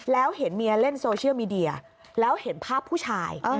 แล้วเห็นเมียเล่นโซเชียลมีเดียแล้วเห็นภาพผู้ชาย